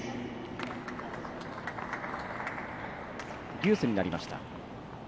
デュースになりました。